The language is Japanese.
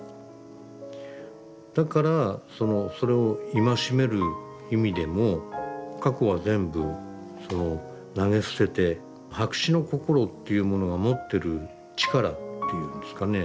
だからそれを戒める意味でも過去は全部投げ捨てて白紙の心っていうものが持ってる力っていうんですかね。